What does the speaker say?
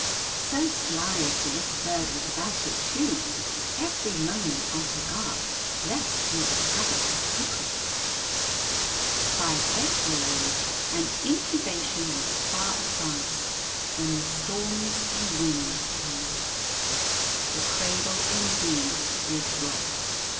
So sly as the little bird was about it, too, every moment on her guard lest you discover her secret! Five eggs were laid, and incubation was far advanced, when the storms and winds came. The cradle indeed did rock.